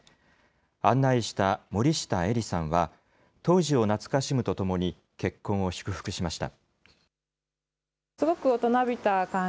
案内した、森下絵里さんは、当時を懐かしむとともに結婚を祝福しました。